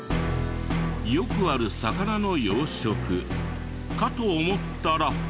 よくある魚の養殖かと思ったら。